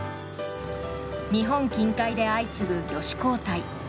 日本近海で相次ぐ魚種交代。